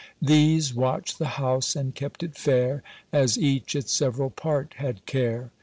These watched the house and kept it fair As each its several part had care.